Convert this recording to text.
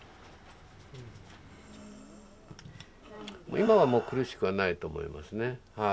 今はもう苦しくはないと思いますねはい。